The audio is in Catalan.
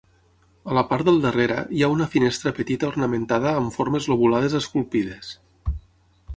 A la part del darrere hi ha una finestra petita ornamentada amb formes lobulades esculpides.